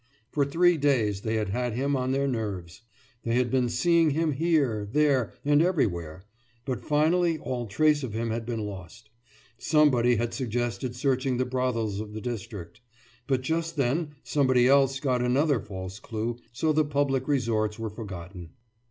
For three days they had had him on their nerves. They had been seeing him here, there, and everywhere; but finally, all trace of him had been lost. Somebody had suggested searching the brothels of the district; but just then somebody else got another false clue, so the public resorts were forgotten.